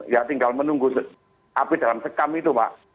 ya tinggal menunggu api dalam sekam itu pak